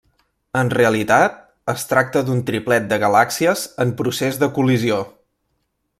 En realitat, es tracta d'un triplet de galàxies en procés de col·lisió.